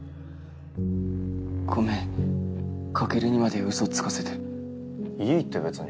ごめん翔琉にまでうそつかいいって別に。